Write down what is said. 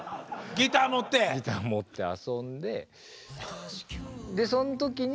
ギター持って遊んで。